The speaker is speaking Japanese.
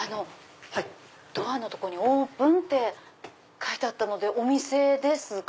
ドアの所にオープンって書いてあったのでお店ですか？